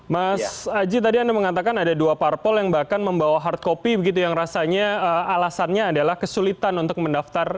mas aji tadi anda mengatakan ada dua parpol yang bahkan membawa hard copy begitu yang rasanya alasannya adalah kesulitan untuk mendaftar